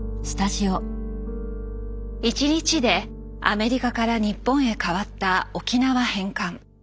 １日でアメリカから日本へ変わった沖縄返還。